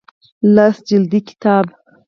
لس جلده کتاب